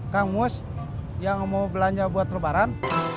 kang mus yang mau belanja buat terbaram